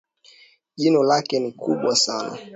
jino lake ni kubwa sana